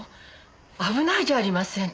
危ないじゃありませんか。